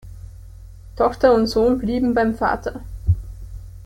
Tochter und Sohn blieben beim Vater.